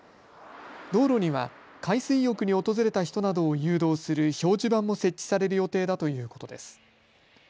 道路には海水浴に訪れた人などを誘導する表示板も設置される予定だということです。